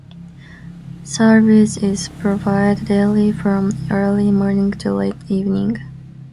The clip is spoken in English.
Service is provided daily from early morning to late evening.